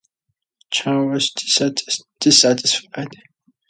Chan was dissatisfied.